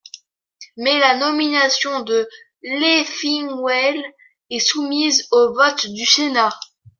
Mais la nomination de Leffingwell est soumise au vote du Sénat.